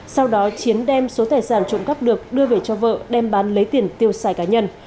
sau đó chiến đem số tài sản trộm cắp được đưa về cho vợ đem bán lấy tiền tiêu xài cá nhân